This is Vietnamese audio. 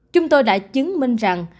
chúng tôi đã chứng minh rằng